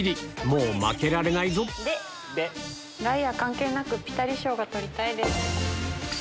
もう負けられないぞライアー関係なくピタリ賞が取りたいです。